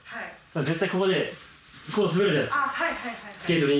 絶対ここでこう滑るじゃないですか。